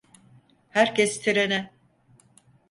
Herkes trene!